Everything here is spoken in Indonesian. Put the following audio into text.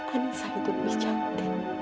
anissa itu lebih cantik